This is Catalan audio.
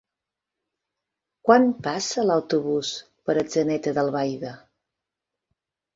Quan passa l'autobús per Atzeneta d'Albaida?